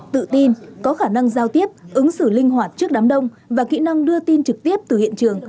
tự tin có khả năng giao tiếp ứng xử linh hoạt trước đám đông và kỹ năng đưa tin trực tiếp từ hiện trường